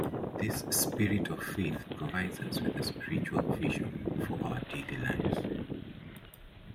This spirit of faith provides us with a spiritual vision for our daily lives.